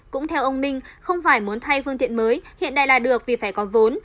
cũng theo ông minh không phải muốn thay phương tiện mới hiện nay là được vì phải có vốn